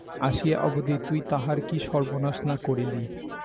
আসিয়া অবধি তুই তাহার কি সর্বনাশ না করিলি?